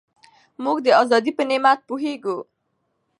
موږ د ازادۍ په نعمت پوهېږو.